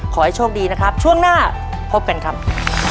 ขอให้โชคดีนะครับช่วงหน้าพบกันครับ